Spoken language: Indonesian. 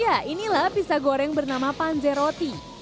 ya inilah pizza goreng bernama panzeroti